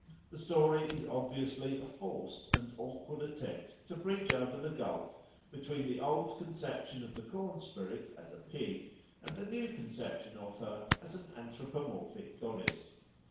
The story is obviously a forced and awkward attempt to bridge over the gulf between the old conception of the corn spirit as a pig and the new conception of her as an anthropomorphic goddess.